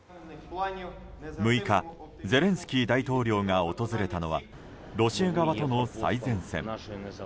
６日、ゼレンスキー大統領が訪れたのはロシア側との最前線。